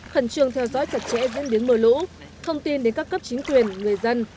khẩn trương theo dõi chặt chẽ diễn biến mưa lũ thông tin đến các cấp chính quyền người dân